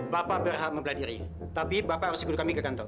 bapak berhak membela diri tapi bapak harus ikut kami ke kantor